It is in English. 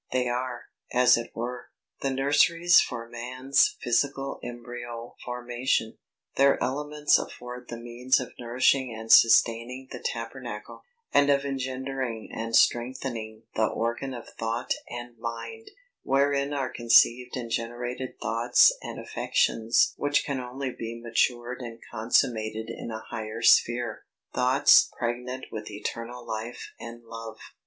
They are, as it were, the nurseries for man's physical embryo formation. Their elements afford the means of nourishing and sustaining the tabernacle, and of engendering and strengthening the organ of thought and mind, wherein are conceived and generated thoughts and affections which can only be matured and consummated in a higher sphere thoughts pregnant with eternal life and love.